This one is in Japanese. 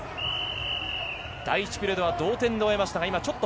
第１ピリオドは同点で終えました。